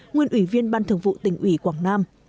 nguyên ủy viên ban thường vụ tỉnh ủy quảng nam